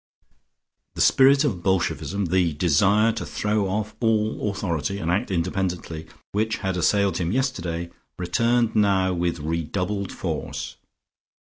The spirit of Bolshevism, the desire to throw off all authority and act independently, which had assailed him yesterday returned now with redoubled force.